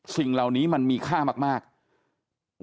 วันนี้มึงไปอยู่กับพระเจ้าแล้ว